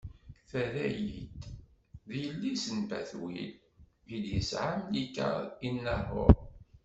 Terra-yi-d: D yelli-s n Batwil i d-tesɛa Milka i Naḥuṛ.